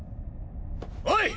おい！